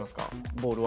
ボールは。